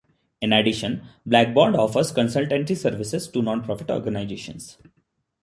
In addition, Blackbaud offers consultancy services to nonprofit organizations.